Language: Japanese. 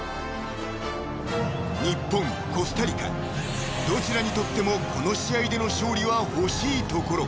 ［日本コスタリカどちらにとってもこの試合での勝利は欲しいところ］